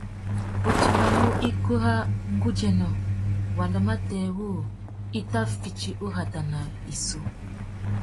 U timbamú ikú râ kundzénô ! wanda matê wu i tà fiti urrata na issú.